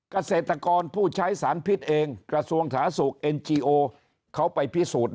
เกษตรกรผู้ใช้สารพิษเองกระทรวงสาธารณสุขเอ็นจีโอเขาไปพิสูจน์